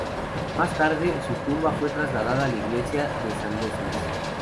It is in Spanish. Más tarde, su tumba fue trasladada a la iglesia de San Lesmes.